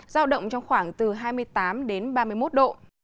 giao động trong khoảng từ hai mươi tám đến ba mươi một độ